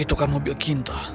itu kan mobil ginta